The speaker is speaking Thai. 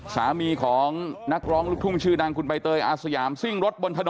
สามีของนักร้องลูกทุ่งชื่อดังคุณใบเตยอาสยามซิ่งรถบนถนน